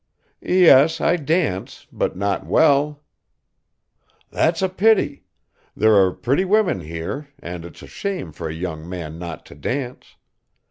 "Yes, I dance, but not well." "That's a pity! There are pretty women here, and it's a shame for a young man not to dance.